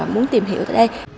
muốn tìm hiểu ở đây